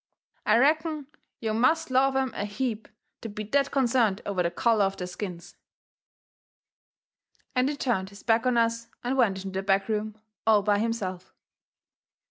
I reckon yo' must love 'em a heap to be that concerned over the colour of their skins." And he turned his back on us and went into the back room all by himself.